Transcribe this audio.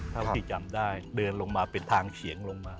เท่าที่จำได้เดินลงมาเป็นทางเฉียงลงมา